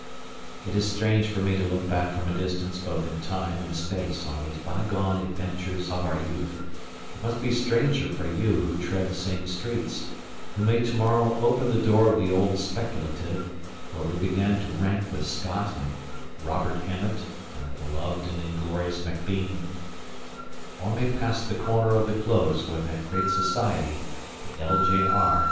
If it is strange for me to look back from a distance both in time and space on these bygone adventures of our youth, it must be stranger for you who tread the same streets who may to morrow open the door of the old Speculative, where we begin to rank with Scott and Robert Emmet and the beloved and inglorious Macbean or may pass the corner of the close where that great society, the L. J. R.